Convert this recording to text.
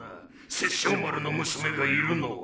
殺生丸の娘がいるのは。